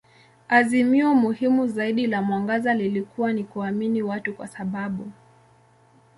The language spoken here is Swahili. Azimio muhimu zaidi la mwangaza lilikuwa ni kuamini watu kwa sababu.